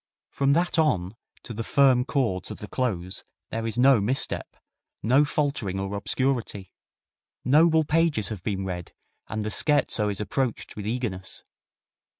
From that on to the firm chords of the close there is no misstep, no faltering or obscurity. Noble pages have been read, and the scherzo is approached with eagerness.